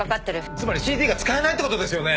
つまり ＣＴ が使えないってことですよね！？